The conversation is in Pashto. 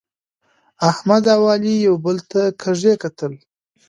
احمد او علي یو بل ته کږي کتل.